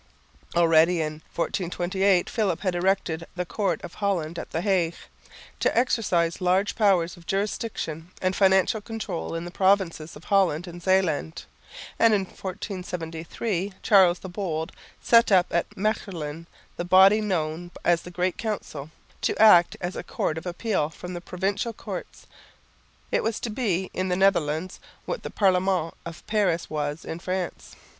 Already in 1428 Philip had erected the Court of Holland at the Hague to exercise large powers of jurisdiction and financial control in the provinces of Holland and Zeeland; and in 1473 Charles the Bold set up at Mechlin the body known as the Great Council, to act as a court of appeal from the provincial courts. It was to be, in the Netherlands, what the Parlement of Paris was in France.